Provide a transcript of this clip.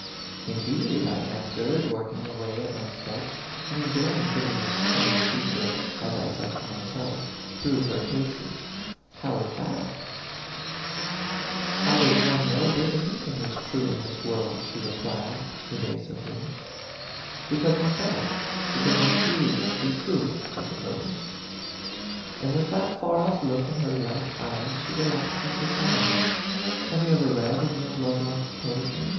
" Indeed !" I answered, working away at my sketch, and enjoying putting this strange creature, as I said to myself, through her paces ;" how is that ?" "How does one know that anything is true in this world T she replied, evasively ;" because one does, because one feels it to be true, I suppose." A PHANTOM LOVER 53 And, with that far off look in her light eyes, she relapsed into silence. " Have you ever read any of Lovelock's poe try